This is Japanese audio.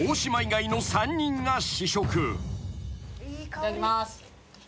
いただきます。